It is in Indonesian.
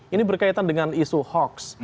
ini berkaitan dengan isu hoax